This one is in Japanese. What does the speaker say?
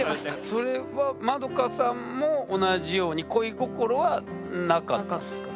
それは円さんも同じように恋心はなかったんですか？